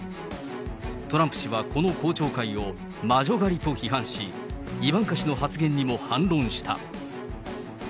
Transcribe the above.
トランプ氏はこの公聴会を魔女狩りと批判し、イバンカ氏の発言にも反論した。